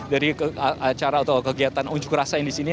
dari acara atau kegiatan unjuk rasain di sini